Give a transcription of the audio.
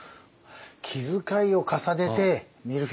気遣いを重ねて見るフィーユ。